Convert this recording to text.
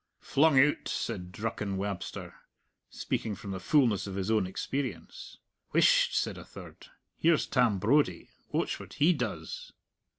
"Flung oot," said Drucken Wabster, speaking from the fullness of his own experience. "Whisht!" said a third. "Here's Tam Brodie. Watch what he does."